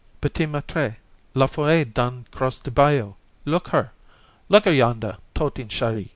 "P'tit Maître! La Folle done cross de bayou! Look her! Look her yonda totin' Chéri!"